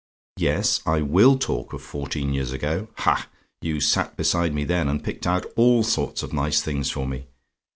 "Yes, I WILL talk of fourteen years ago. Ha! you sat beside me then, and picked out all sorts of nice things for me.